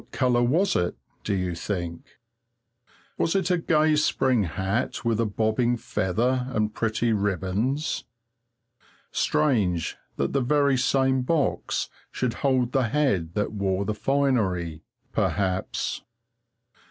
What colour was it, do you think? Was it a gay spring hat with a bobbing feather and pretty ribands? Strange that the very same box should hold the head that wore the finery perhaps.